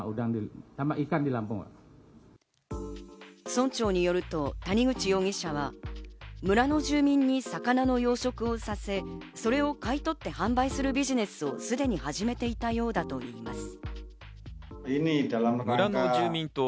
村長によると谷口容疑者は村の住民に魚の養殖をさせ、それを買い取って販売するビジネスをすでに始めていたようだといいます。